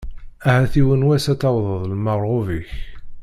Ahat yiwen n wass ad tawḍeḍ lmerɣub-ik.